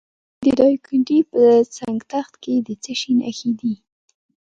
د دایکنډي په سنګ تخت کې د څه شي نښې دي؟